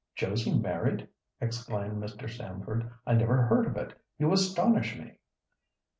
Josie married?" exclaimed Mr. Stamford. "I never heard of it. You astonish me!"